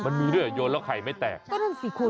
มันมีด้วยหรอโยนแล้วไข่ไม่แตก